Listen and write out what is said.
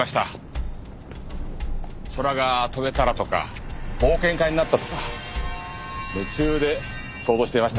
空が飛べたらとか冒険家になったらとか夢中で想像していました。